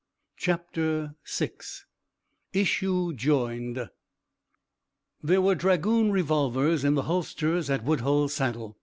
CHAPTER VI ISSUE JOINED There were dragoon revolvers in the holsters at Woodhull's saddle.